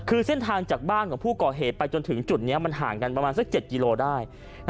คือเส้นทางจากบ้านของผู้ก่อเหตุไปจนถึงจุดนี้มันห่างกันประมาณสัก๗กิโลได้